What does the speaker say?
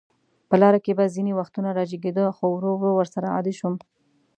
په لاره کې به ځینې وختونه راجګېده، خو ورو ورو ورسره عادي شوم.